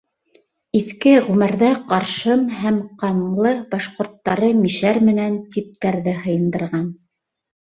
Иҫке Ғүмәрҙә ҡаршын һәм ҡаңлы башҡорттары мишәр менән типтәрҙе һыйындарған.